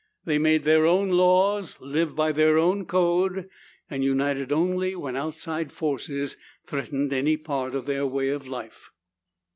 They made their own laws, lived by their own code, and united only when outside forces threatened any part of their way of life.